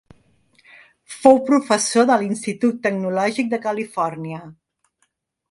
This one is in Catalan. Fou professor de l'Institut Tecnològic de Califòrnia.